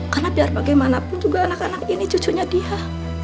karena biar bagaimanapun juga anak anak ini cucunya dia